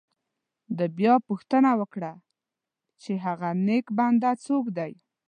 ده بیا پوښتنه وکړه چې هغه نیک بنده څوک دی.